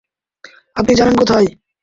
আপনি জানেন কোথায়?